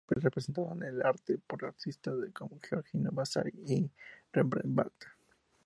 Es un tema representado en el arte por artistas como Giorgio Vasari y Rembrandt.